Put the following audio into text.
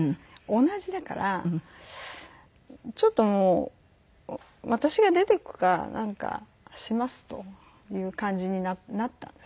同じだからちょっともう私が出て行くかなんかしますという感じになったんです。